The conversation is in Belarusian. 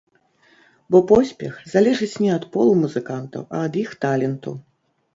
Бо поспех залежыць не ад полу музыкантаў, а ад іх таленту.